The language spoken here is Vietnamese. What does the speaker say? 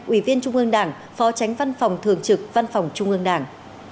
ủy viên trung ương đảng phó tránh văn phòng thường trực văn phòng trung ương đảng